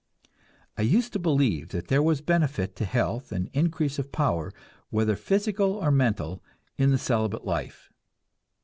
I used to believe that there was benefit to health and increase of power, whether physical or mental, in the celibate life.